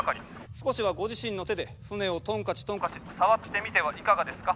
少しはご自身の手で船をトンカチトンカチ触ってみてはいかがですか？